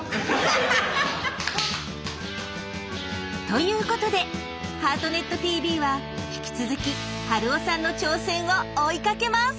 ということで「ハートネットＴＶ」は引き続き春雄さんの挑戦を追いかけます！